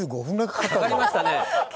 かかりましたね。